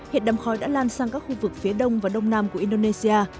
hiện đâm khói đã lan sang các khu vực phía đông và đông nam của indonesia